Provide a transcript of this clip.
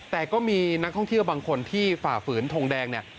แต่ก็มีนักท่องเที่ยวบางคนที่ฝ่าฝืนทงแดงเนี่ย